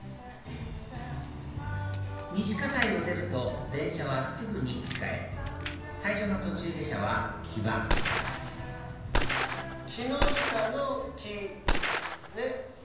西西を出ると電車はすぐに地下へ最初の途中下車は木場木下の「木」ね。